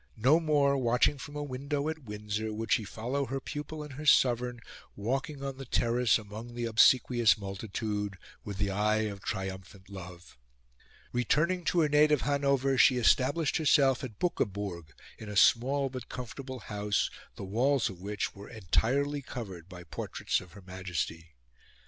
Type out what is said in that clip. No more, watching from a window at Windsor, would she follow her pupil and her sovereign walking on the terrace among the obsequious multitude, with the eye of triumphant love. Returning to her native Hanover she established herself at Buckeburg in a small but comfortable house, the walls of which were entirely covered by portraits of Her Majesty.